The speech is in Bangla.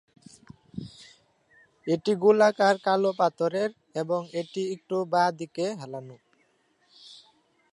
এটি গোলাকার কালো পাথরের এবং এটি একটু বাঁ দিকে হেলানো।